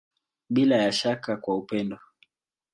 Bila ya shaka kwa upendo.